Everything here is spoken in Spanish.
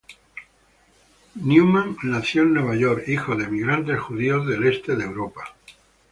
Newman nació en Nueva York, hijo de inmigrantes judíos del Este de Europa.